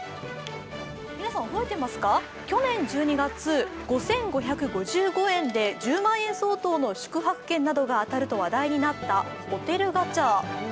皆さん覚えてますか、去年１２月５５５５円で１０万円相当の宿泊券などが当たると話題になったホテルガチャ。